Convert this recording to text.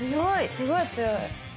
すごい強い。